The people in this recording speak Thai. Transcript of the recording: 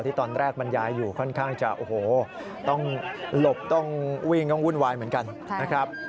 ตอนแรกบรรยายอยู่ค่อนข้างจะโอ้โหต้องหลบต้องวิ่งต้องวุ่นวายเหมือนกันนะครับ